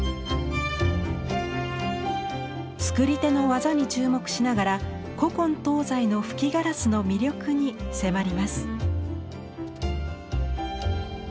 作り手の技に注目しながら古今東西の吹きガラスの魅力に迫ります。